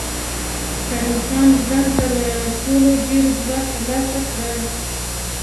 کریم خان زند تر ټولو ډېر ځواک تر لاسه کړ.